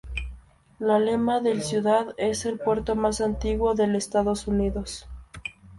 La lema del ciudad es "El Puerto Mas Antiguo del Estados Unidos".